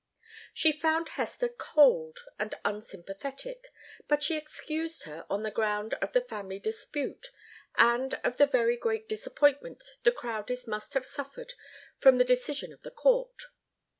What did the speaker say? She found Hester cold and unsympathetic, but she excused her on the ground of the family dispute, and of the very great disappointment the Crowdies must have suffered from the decision of the court.